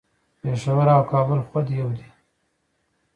پیښور او کابل خود یو دي